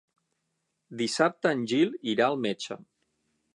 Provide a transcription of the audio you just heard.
Dissabte en Gil irà al metge.